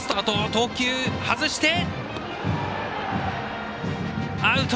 投球外して、アウト！